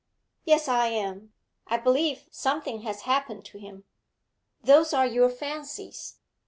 'Yes, I am. I believe something has happened to him.' 'Those are your fancies.